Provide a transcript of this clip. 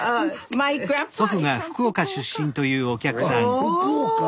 あっ福岡？